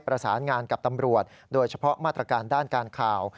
ประสานงานกับตำรวจโดยเฉพาะมาตรการด้านการข่าว